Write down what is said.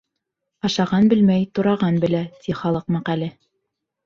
Ашаған белмәй, тураған белә, ти халыҡ мәҡәле.